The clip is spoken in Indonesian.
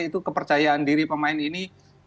itu kepercayaan diri pemain ini